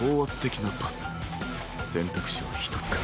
選択肢は１つか。